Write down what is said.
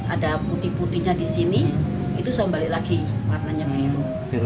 ada putih putihnya di sini itu sombali lagi warnanya biru